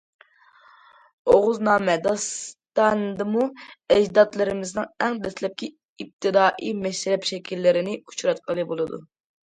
‹‹ ئوغۇزنامە›› داستانىدىمۇ ئەجدادلىرىمىزنىڭ ئەڭ دەسلەپكى ئىپتىدائىي مەشرەپ شەكىللىرىنى ئۇچراتقىلى بولىدۇ.